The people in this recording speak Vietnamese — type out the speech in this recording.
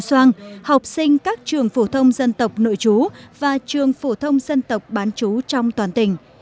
soang học sinh các trường phổ thông dân tộc nội chú và trường phổ thông dân tộc bán chú trong toàn tỉnh